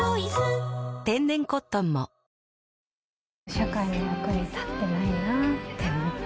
社会の役に立ってないなと思って。